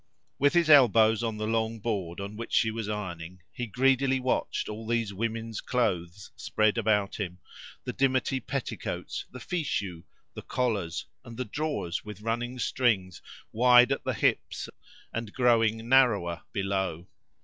With his elbows on the long board on which she was ironing, he greedily watched all these women's clothes spread about him, the dimity petticoats, the fichus, the collars, and the drawers with running strings, wide at the hips and growing narrower below.